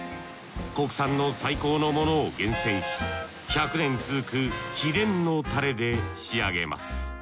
国産の最高のものを厳選し１００年続く秘伝のタレで仕上げます。